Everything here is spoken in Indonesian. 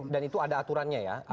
dan itu ada aturannya ya